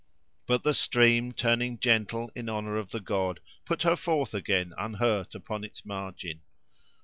But the stream, turning gentle in honour of the god, put her forth again unhurt upon its margin.